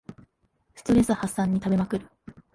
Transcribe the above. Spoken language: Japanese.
ストレス発散に食べまくる